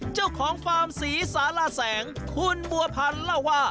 เจ้าของฟาร์มศรีสารแสงคุณบัวพันธ์เล่าว่า